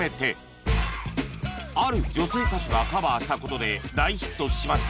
ある女性歌手がカヴァーした事で大ヒットしました